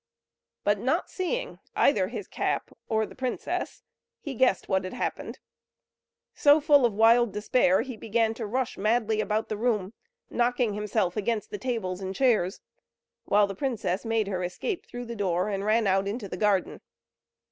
But not seeing either his cap, or the princess, he guessed what had happened; so full of wild despair he began to rush madly about the room, knocking himself against the tables and chairs, while the princess made her escape through the door, and ran out into the garden.